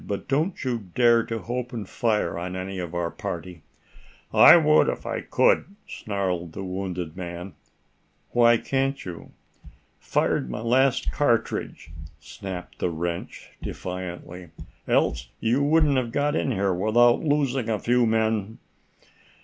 "But don't you dare to open fire upon any of our party!" "I would, if I could," snarled the wounded man. "Why can't you?" "Fired my last cartridge!" snapped the wretch, defiantly. "Else you wouldn't have got in here without losing a few men!"